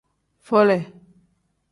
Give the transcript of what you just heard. Fole.